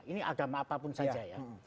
ini agama apapun saja ya